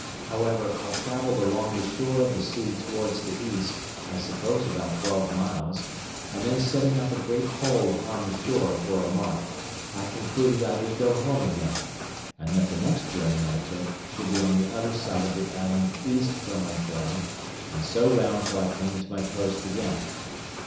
However, I travelled along the shore of the sea towards the east, I suppose about twelve miles, and then setting up a great pole upon the shore for a mark, I concluded I would go home again, and that the next journey I took should be on the other side of the island east from my dwelling, and so round till I came to my post again.